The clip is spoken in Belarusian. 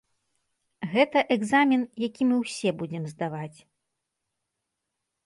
Гэта экзамен, які мы ўсе будзем здаваць.